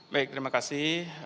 baik terima kasih